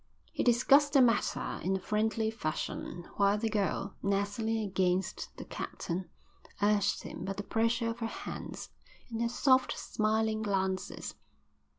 They discussed the matter in a friendly fashion, while the girl, nestling against the captain, urged him by the pressure of her hands and her soft, smiling glances.